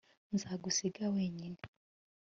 nzagusiga wenyine